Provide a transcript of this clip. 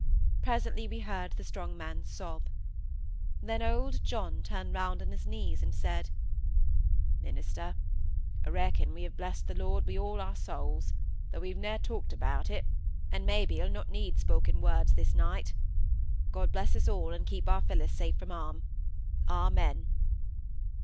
Presently we heard the strong man's sob. Then old John turned round on his knees, and said,— "Minister, I reckon we have blessed the Lord wi' all our souls, though we've ne'er talked about it; and maybe He'll not need spoken words this night. God bless us all, and keep our Phillis safe from harm! Amen."